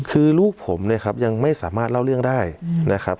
คือลูกผมเนี่ยครับยังไม่สามารถเล่าเรื่องได้นะครับ